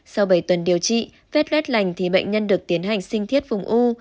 sau bảy tuần điều trị vết rết lành thì bệnh nhân được tiến hành sinh thiết vùng u